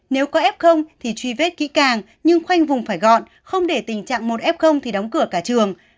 nếu có f thì truy vết kỹ càng nhưng khoanh vùng phải gọn không để tình trạng một f thì đóng cửa cả trường